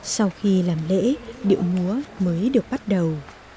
sau khi làm lễ điệu múa mới được bắt đầu